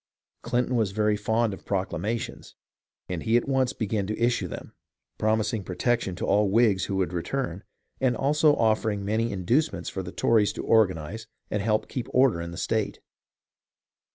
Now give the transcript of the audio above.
Clinton was very fond of proclamations, and he at once began to issue them, promising protection to all Whigs who would return, and also offering many inducements for the Tories to organize and help keep order in the state.